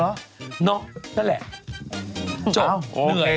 เหรอน้องนั่นแหละจบเหนื่อย